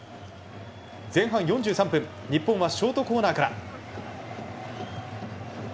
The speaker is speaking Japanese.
前半４３分日本はショートコーナーから。